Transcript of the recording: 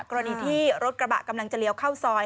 กรณีที่รถกระบะกำลังจะเลี้ยวเข้าซอย